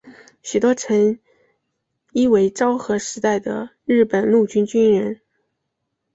喜多诚一为昭和时代的日本陆军军人。